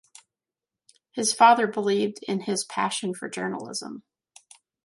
His father believed in his passion for journalism.